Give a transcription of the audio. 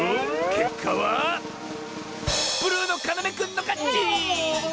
けっかはブルーのかなめくんのかち！